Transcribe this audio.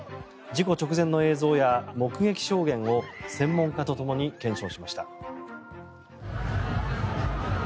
事故直前の映像や目撃証言を専門家とともに検証しました。